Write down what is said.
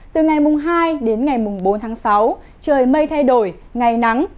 từ ngày hai đến ngày mùng bốn tháng sáu trời mây thay đổi ngày nắng